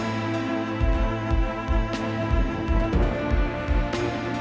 ทุกคนพร้อมแล้วขอเสียงปลุ่มมือต้อนรับ๑๒สาวงามในชุดราตรีได้เลยค่ะ